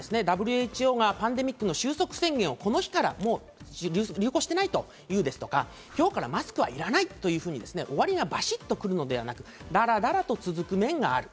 ＷＨＯがパンデミックの終息宣言をこの日から流行してないというですとか、今日からマスクはいらないというふうに終わりがバシッと来るのではなく、だらだらと続く面がある。